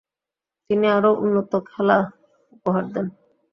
তিনি আরও উন্নত খেলা উপহার দেন।